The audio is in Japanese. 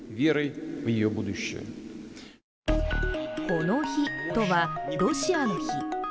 この日とは、ロシアの日。